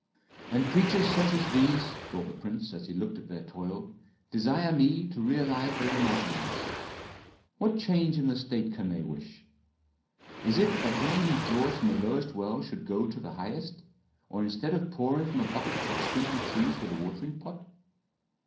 "And creatures such as these," thought the prince, as he looked at their toil, "desire me to realize their imaginings. What change in the state can they wish? Is it that he who draws from the lowest well should go to the highest, or instead of pouring from a bucket should sprinkle trees with a watering pot?"